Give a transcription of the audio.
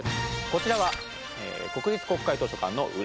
こちらは国立国会図書館の裏側。